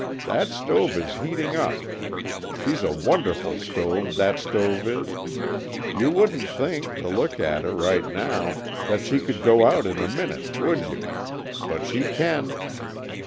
That stove is heating up. She's a wonderful stove, that stove is. You wouldn't think, to look at her right now, that she could go out in a minute, would you? But she can.